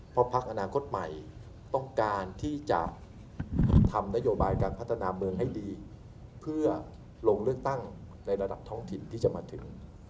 เพราะพักอนาคตใหม่ต้องการที่จะทำนโยบายการพัฒนาเมืองให้ดีเพื่อลงเลือกตั้งในระดับท้องถิ่นที่จะมาถึง